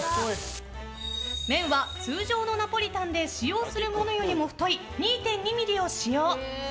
麺は通常のナポリタンで使用するものよりも太い２．２ｍｍを使用。